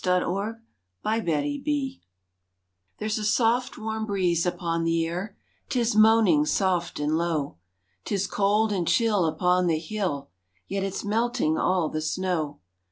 *THE CHINOOK WIND* There's a soft warm breeze upon the air, 'Tis moaning soft and low, 'Tis cold and chill upon the hill, Yet it's melting all the snow.